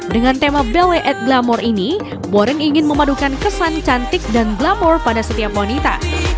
dengan tema belle at glamour ini warren ingin memadukan kesan cantik dan glamour pada setiap wanita